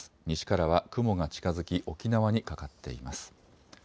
西からは雲が近づき沖縄にかかっています。